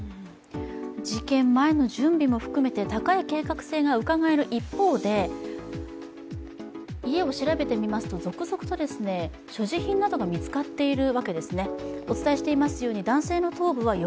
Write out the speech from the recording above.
事件前の準備も含めて高い計画性がうかがえる一方で家を調べてみますと、続々と所持品などが見つかっています。